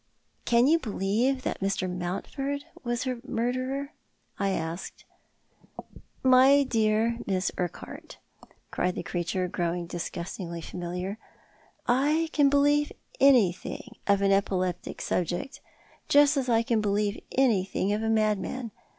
" Can you believe that Mr. Mountford was her murderer ?" I asked. " My dear Miss Urquhart," cried the creature, growing dis gustingly familiar, " I can believe anything of an epileptic subject, just as I can believe anything of a madman.